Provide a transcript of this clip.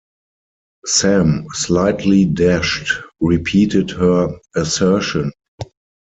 Sam, slightly dashed, repeated her assertion.